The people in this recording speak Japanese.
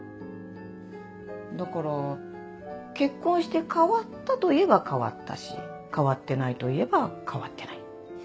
だから結婚して変わったといえば変わったし変わってないといえば変わってない。